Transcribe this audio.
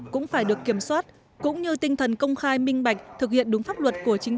cũng phải được kiểm soát cũng như tinh thần công khai minh bạch thực hiện đúng pháp luật của chính